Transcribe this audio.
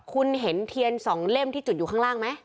คุณเห็นเทียน๒เล่มที่จุดอยู่ข้างล่างไหม